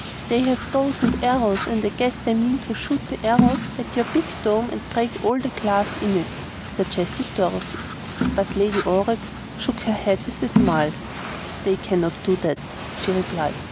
"They have bows and arrows, and I guess they mean to shoot the arrows at your big dome, and break all the glass in it," suggested Dorothy. But Lady Aurex shook her head with a smile. "They cannot do that," she replied.